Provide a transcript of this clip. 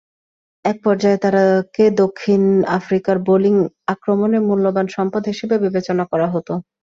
এক পর্যায়ে তাকে দক্ষিণ আফ্রিকার বোলিং আক্রমণে মূল্যবান সম্পদ হিসেবে বিবেচনা করা হতো।